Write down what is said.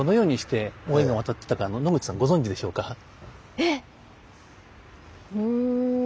えっ⁉うん。